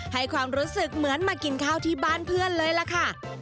ให้ความรู้สึกเหมือนมากินข้าวที่บ้านเพื่อนเลยล่ะค่ะ